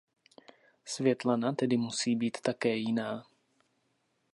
Světlana tedy musí být také Jiná.